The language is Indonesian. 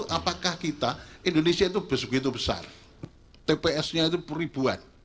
kalau begitu apakah kita indonesia itu bus begitu besar tpsnya itu peribuan